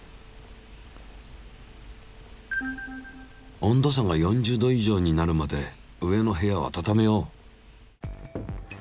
温度差が４０℃以上になるまで上の部屋をあたためよう。